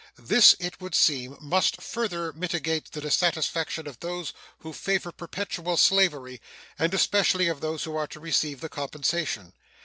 This, it would seem, must further mitigate the dissatisfaction of those who favor perpetual slavery, and especially of those who are to receive the compensation.